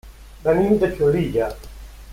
Venim de Xulilla.